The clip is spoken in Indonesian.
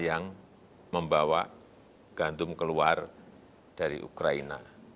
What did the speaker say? yang membawa gantum keluar dari ukraina